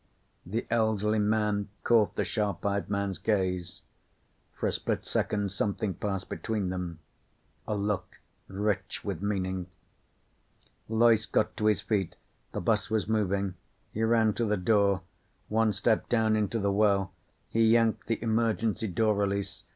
The elderly man caught the sharp eyed man's gaze. For a split second something passed between them. A look rich with meaning. Loyce got to his feet. The bus was moving. He ran to the door. One step down into the well. He yanked the emergency door release.